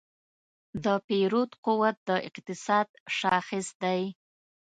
د پیرود قوت د اقتصاد شاخص دی.